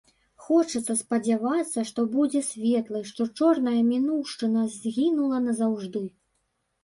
Хочацца спадзявацца, што будзе светлай, што чорная мінуўшчына згінула назаўжды.